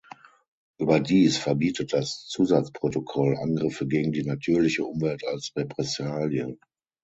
Überdies verbietet das Zusatzprotokoll Angriffe gegen die natürliche Umwelt als Repressalie.